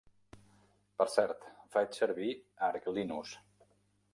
Per cert, faig servir Arch Linux.